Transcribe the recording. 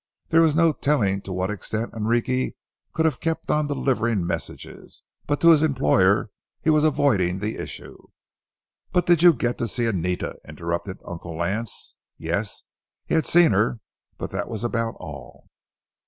There was no telling to what extent Enrique could have kept on delivering messages, but to his employer he was avoiding the issue. "But did you get to see Anita?" interrupted Uncle Lance. Yes, he had seen her, but that was about all.